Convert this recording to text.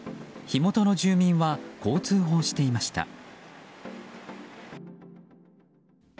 火元の住民はこう通報していました。